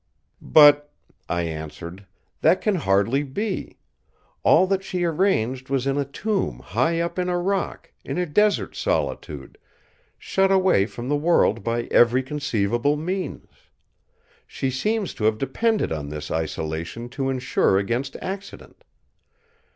"But," I answered, "that can hardly be. All that she arranged was in a tomb high up in a rock, in a desert solitude, shut away from the world by every conceivable means. She seems to have depended on this isolation to insure against accident.